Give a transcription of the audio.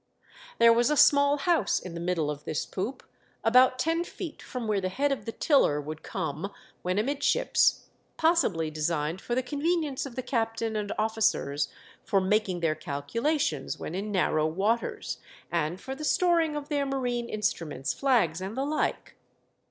There was a small house in the middle of this poop, about ten feet from where the head of the tiller would come when amidships, possibly designed for the convenience of the captain and officers for making their calculations when in narrow waters, and for the storing of their marme instruments, flags and the like.